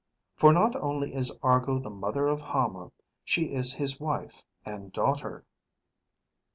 For not only is Argo the mother of Hama, she is his wife and daughter."